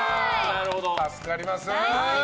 助かります！